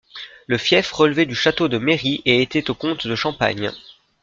Le fief relevait du château de Méry et était aux comtes de Champagne.